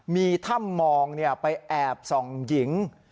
มีถ้ำมองไปแอบส่องหญิง